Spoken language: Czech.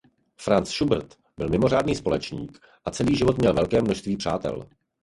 Franz Schubert byl mimořádný společník a celý život měl velké množství přátel.